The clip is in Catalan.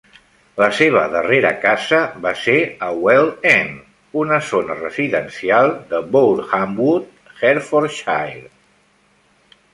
La seva darrera casa va ser a Well End, una zona residencial de Borehamwood, Hertfordshire.